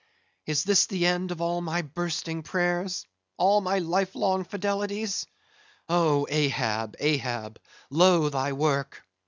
Is this the end of all my bursting prayers? all my life long fidelities? Oh, Ahab, Ahab, lo, thy work.